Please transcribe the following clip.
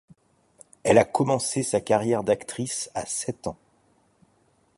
Elle a commencé sa carrière d'actrice à sept ans.